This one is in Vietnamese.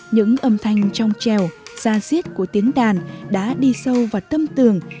những âm thanh trong trèo gia diết của tiếng đàn đã đi sâu vào tâm tường